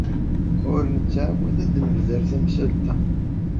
Ur nettɛawad ad d-nebder tamsalt-a.